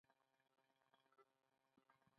موږ د مرغیو سندرې اورېدلې.